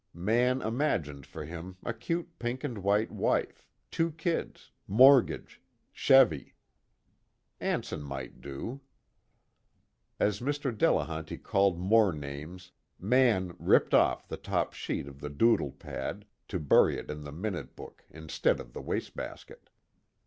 Mann imagined for him a cute pink and white wife, two kids, mortgage, Chevvy. Anson might do. As Mr. Delehanty called more names, Mann ripped off the top sheet of the doodle pad, to bury it in the minute book instead of the wastebasket.